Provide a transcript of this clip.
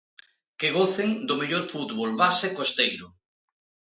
Que gocen do mellor fútbol base costeiro.